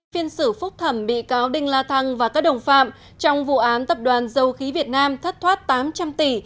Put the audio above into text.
phiên xử phúc thẩm bị cáo đinh la thăng và các đồng phạm trong vụ án tập đoàn dầu khí việt nam thất thoát tám trăm linh tỷ